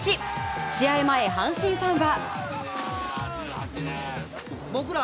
試合前、阪神ファンは。